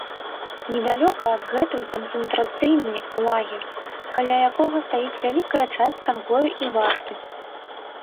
Недалёка адгэтуль канцэнтрацыйны лагер, каля якога стаіць вялікая часць канвою і варты.